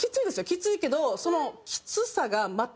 きついけどその。